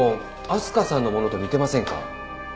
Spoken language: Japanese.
明日香さんのものと似てませんか？